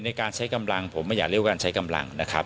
ในการใช้กำลังผมไม่อยากเรียกว่าการใช้กำลังนะครับ